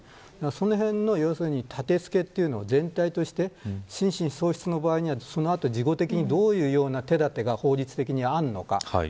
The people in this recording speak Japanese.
そのへんの立て付けというのは全体として心神喪失の場合には、その後事後的にどういうふうな手だてが法律的にあるのか。